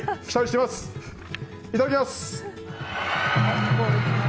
いただきます！